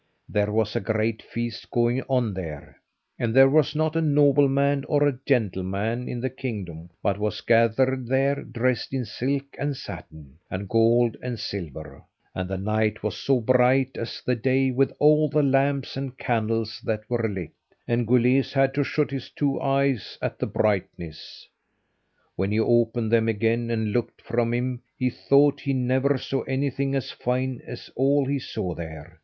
There was a great feast going on there, and there was not a nobleman or a gentleman in the kingdom but was gathered there, dressed in silk and satin, and gold and silver, and the night was as bright as the day with all the lamps and candles that were lit, and Guleesh had to shut his two eyes at the brightness. When he opened them again and looked from him, he thought he never saw anything as fine as all he saw there.